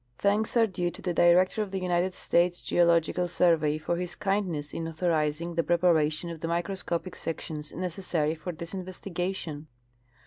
Thanks are due to the director of the United States Geological Survey for his kindness in authorizing the preparation of the microscopic sections necessary for this investigation.